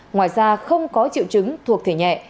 ngoài ra không có triệu chứng thuộc thể nhẹ